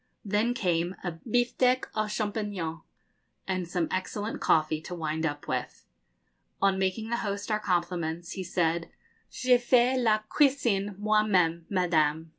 Then came a biftek aux champignons, and some excellent coffee to wind up with. On making the host our compliments, he said, 'Je fais la cuisine moi même, Madame.'